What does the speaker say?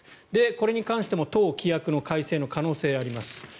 これに関しても党規約の改正の可能性があります。